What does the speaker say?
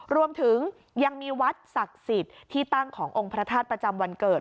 รวมถึงยังมีวัดศักดิ์สิทธิ์ที่ตั้งขององค์พระธาตุประจำวันเกิด